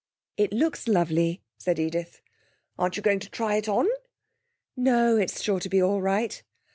'It looks lovely,' said Edith. 'Aren't you going to try it on?' 'No; it's sure to be all right.'